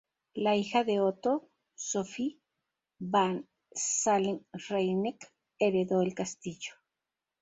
La hija de Otto, Sophie von Salm-Rheineck heredó el castillo.